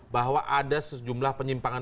bahwa ada sejumlah penyimpangan